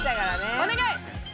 お願い！